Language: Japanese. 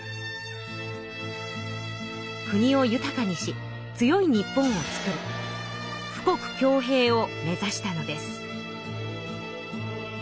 国を豊かにし強い日本をつくる富国強兵を目指したのです。